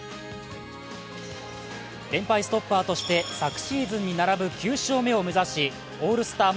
連敗ストッパーとして昨シーズンに並ぶ９勝目を目指しオールスター